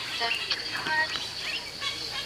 市民大会通常是精心安排好的活动。